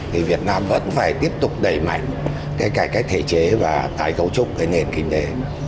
thì việt nam vẫn phải tiếp tục đẩy mạnh cái cải cách thể chế và tái cấu trúc cái nền kinh tế